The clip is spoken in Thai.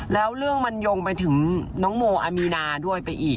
แล้วเรื่องมันโยงไปถึงน้องโมอามีนาด้วยไปอีก